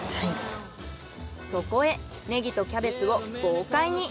そこへネギとキャベツを豪快に。